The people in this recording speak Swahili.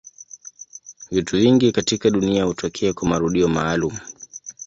Vitu vingi katika dunia hutokea kwa marudio maalumu.